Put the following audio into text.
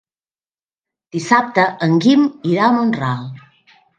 Dissabte en Guim irà a Mont-ral.